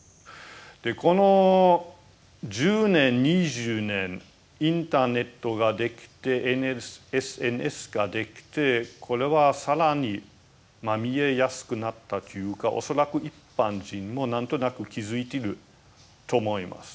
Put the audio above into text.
この１０年２０年インターネットができてＳＮＳができてこれは更に見えやすくなったというかおそらく一般人もなんとなく気付いてると思いますね。